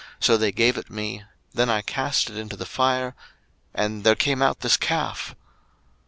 So they gave it me: then I cast it into the fire, and there came out this calf.